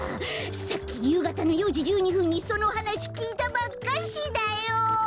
さっきゆうがたの４じ１２ふんにそのはなしきいたばっかしだよ！